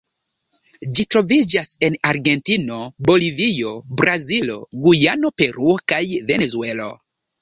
Ĝi troviĝas en Argentino, Bolivio, Brazilo, Gujano, Peruo kaj Venezuelo.